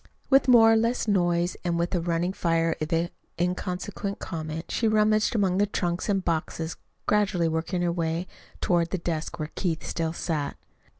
With more or less noise and with a running fire of inconsequent comment, she rummaged among the trunks and boxes, gradually working her way to, ward the desk where Keith still sat.